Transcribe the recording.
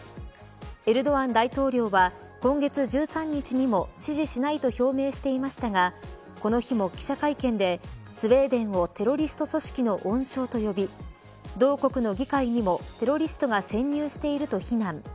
エルドアン大統領は今月１３日にも支持しないと表明していましたがこの日も記者会見でスウェーデンをテロリスト組織の温床と呼び同国の議会にもテロリストが潜入していると非難。